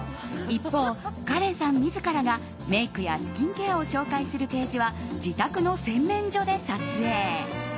一方、カレンさん自らがメイクやスキンケアを紹介するページは自宅の洗面所で撮影。